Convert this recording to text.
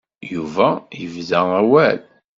Yuba yebda awal.